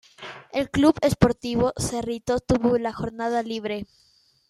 El Club Sportivo Cerrito tuvo la jornada libre.